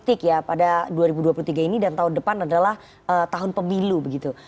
politik ya pada dua ribu dua puluh tiga ini dan tahun depan adalah tahun pemilu begitu